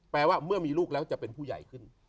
ว่าเมื่อมีลูกแล้วจะเป็นผู้ใหญ่ขึ้น